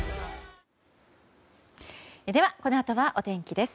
このあとはお天気です。